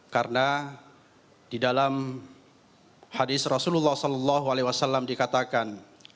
karena di dalam hadis rasulullah saw dikatakan